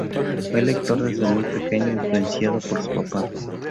Fue lector desde muy pequeño, influenciado por su papá.